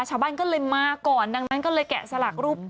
ชาวบ้านก็เลยมาก่อนดังนั้นก็เลยแกะสลักรูป